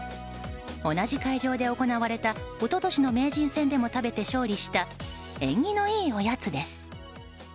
同じ会場で行われた一昨年の名人戦でも食べて勝利した、縁起のいいおやつです。